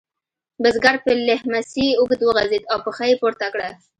بزګر پر لیهمڅي اوږد وغځېد او پښه یې پورته کړه.